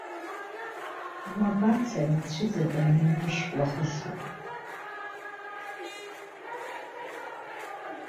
Уабацариицәыҵатәан ианушьклахысуа?